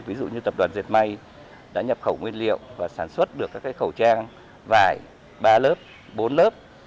ví dụ như tập đoàn diệt may đã nhập khẩu nguyên liệu và sản xuất được các khẩu trang vải ba lớp bốn lớp